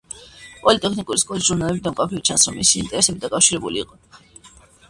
პოლიტექნიკური სკოლის ჟურნალებიდან მკაფიოდ ჩანს, რომ მისი ინტერესები დაკავშირებული იყო ტექნიკურ საკითხებთან.